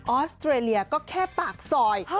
อสเตรเลียก็แค่ปากซอย